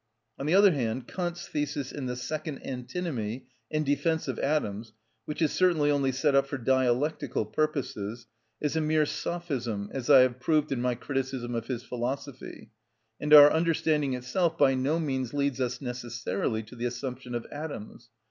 On the other hand, Kant's thesis in the second antinomy in defence of atoms, which is certainly only set up for dialectical purposes, is a mere sophism, as I have proved in my criticism of his philosophy, and our understanding itself by no means leads us necessarily to the assumption of atoms.